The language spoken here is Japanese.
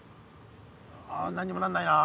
あ何にもなんないな。